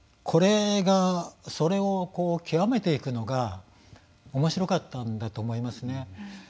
それを極めていくのがおもしろかったんだと思いますね。